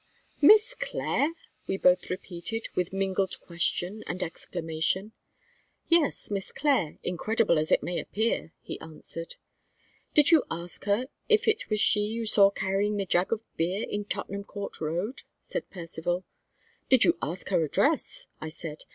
"Miss Clare!" we both repeated, with mingled question and exclamation. "Yes, Miss Clare, incredible as it may appear," he answered. "Did you ask her if it was she you saw carrying the jug of beer in Tottenham Court Road?" said Percivale. "Did you ask her address?" I said.